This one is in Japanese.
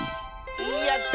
やった！